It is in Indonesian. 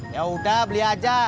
yaudah beli aja